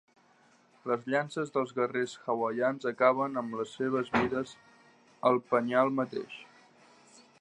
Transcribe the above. Les llances dels guerrers hawaians acaben amb les seves vides al penyal mateix.